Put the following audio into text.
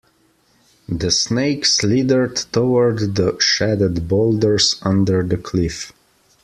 The snake slithered toward the shaded boulders under the cliff.